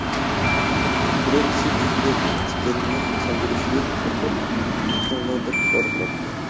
بىرىنچىسى چۈشىدە تىكەننىڭ سانجىلىشىدىن قورقۇپ‹‹ قۇتقۇزۇڭلار!›› دەپ ۋارقىراپتۇ.